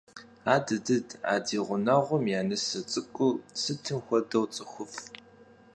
Адыдыд, а ди гъунэгъум я нысэ цӀыкӀур сытым хуэдэу цӀыхуфӏ.